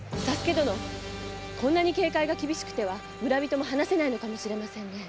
こんなに警戒が厳しくては村人も話せないのかもしれません。